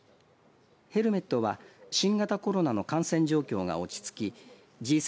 ヘルメットは新型コロナの感染状況が落ち着きＧ７